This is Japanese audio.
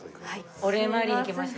お礼参りに来ました。